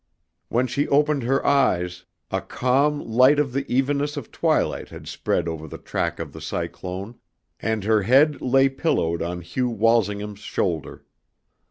When she opened her eyes a calm light of the evenness of twilight had spread over the track of the cyclone, and her head lay pillowed on Hugh Walsingham's shoulder.